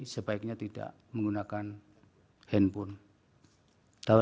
sebaiknya tidak menggunakan handphone